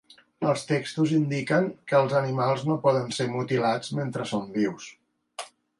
Els textos indiquen que els animals no poden ser mutilats mentre són vius.